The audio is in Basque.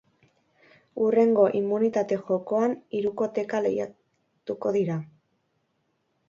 Hurrengo immunitate jokoan hirukoteka lehiatuko dira.